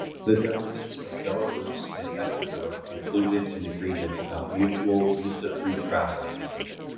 The governments of Belarus and Ecuador concluded an agreement about mutual visa-free travel.